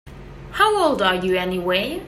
How old are you anyway?